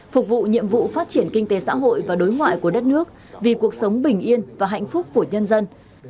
phục vụ nhiệm vụ phát triển kinh tế xã hội và đối ngoại của đất nước vì cuộc sống bình yên và hạnh phúc của nhân dân